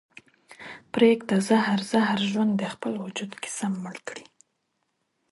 پرېږده زهر زهر ژوند دې خپل وجود کې سم مړ کړي